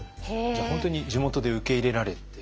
じゃあ本当に地元で受け入れられて。